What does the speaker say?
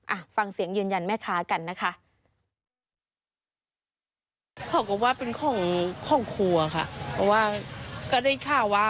อ่ะฟังเสียงยืนยันแม่ค้ากันนะคะ